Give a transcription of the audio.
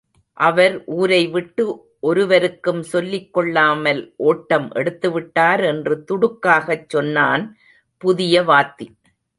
அவர் ஊரைவிட்டு ஒருவருக்கும் சொல்லிக் கொள்ளாமல் ஓட்டம் எடுத்துவிட்டார் என்று துடுக்காகச் சொன்னான் புதிய வாத்தி.